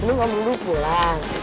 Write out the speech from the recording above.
mending om dudung pulang